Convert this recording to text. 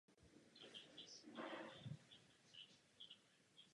Veronika Vítková udělala jen jednu chybu při střelbě.